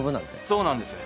そうなんです。